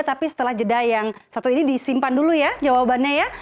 tapi setelah jeda yang satu ini disimpan dulu ya jawabannya ya